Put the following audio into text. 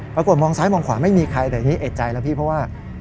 ปรากฏมองซ้ายมองขวาไม่มีใครแต่อันนี้เอกใจแล้วพี่เพราะว่า